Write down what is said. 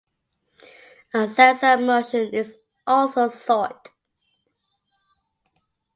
A sense of motion is also sought.